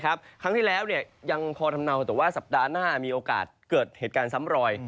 ครั้งที่แล้วยังพอทำเนาแต่ว่าสัปดาห์หน้ามีโอกาสเกิดเหตุการณ์ซ้ำรอย